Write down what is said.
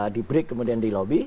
di break kemudian di lobby